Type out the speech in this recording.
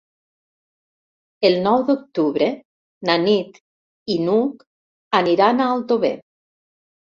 El nou d'octubre na Nit i n'Hug aniran a Aldover.